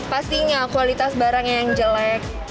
pastinya kualitas barangnya yang jelek